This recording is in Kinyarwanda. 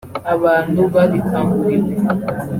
abantu babikangurirwe